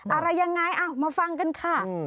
อะไรยังไงมาฟังกันค่ะ